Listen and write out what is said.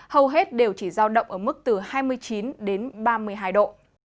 hầu hết đều chỉ giao động ở mức từ hai mươi chín đến ba mươi hai độ